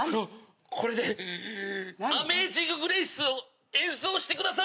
これで『アメイジング・グレイス』を演奏してください。